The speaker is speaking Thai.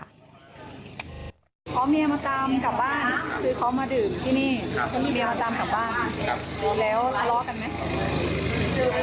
พร้อมเมียมาตามกลับบ้านคือพร้อมมาดื่มที่นี่